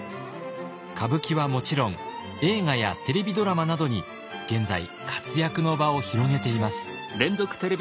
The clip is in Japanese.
歌舞伎はもちろん映画やテレビドラマなどに現在活躍の場を広げています。